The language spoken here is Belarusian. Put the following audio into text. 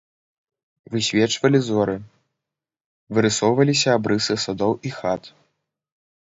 Высвечвалі зоры, вырысоўваліся абрысы садоў і хат.